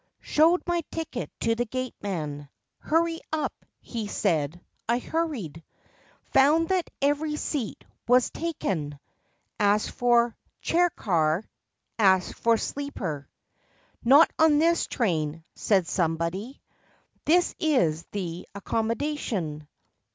Showed my ticket to the gate man. "Hurry up!" he said. I hurried. Found that every seat was "taken." Asked for "chair car;" asked for "sleeper." "Not on this train," said somebody; "This is the accommodation."